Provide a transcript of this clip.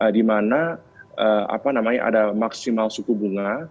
di mana ada maksimal suku bunga